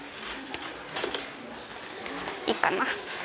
いいかな？